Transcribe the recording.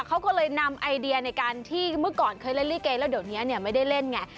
เขาก็เลยนำไอเดียในการที่เมื่อก่อนเคยเล่นลิเกแล้วเดี๋ยวนี้เนี่ยไม่ได้เล่นไง